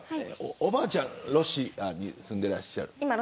おばあちゃんがロシアに住んでいる。